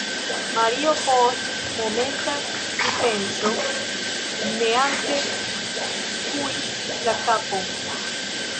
Mario post momenta pripenso neante skuis la kapon.